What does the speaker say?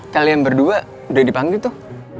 kalian berdua udah dipanggil tuh